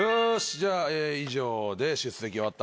じゃあ以上で出席終わった。